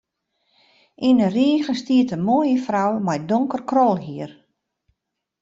Yn de rige stiet in moaie frou mei donker krolhier.